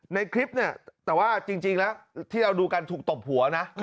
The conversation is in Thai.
ในคลิปเนี่ยแต่ว่าจริงแล้วที่เราดูกันถูกตบหัวนะ